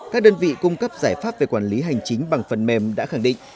các đơn vị cung cấp giải pháp về quản lý hành chính bằng phần mềm đã khẳng định